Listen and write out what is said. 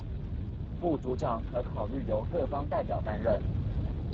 副組長可考慮由各方代表擔任